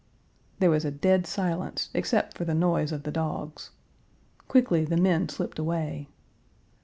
There was a dead silence except for the noise of the dogs. Quickly the men slipped away.